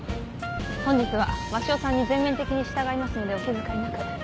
本日は鷲尾さんに全面的に従いますのでお気遣いなく。